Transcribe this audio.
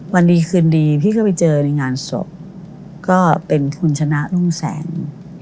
วันดีคืนดีพี่ก็ไปเจอในงานศพก็เป็นคุณชนะรุ่งแสง